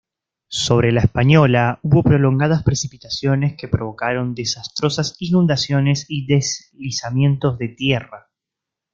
Sobre la Española hubo prolongadas precipitaciones que provocaron desastrosas inundaciones y deslizamientos de tierra.